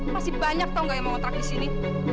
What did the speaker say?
pasti banyak yang mau ngontrak di sini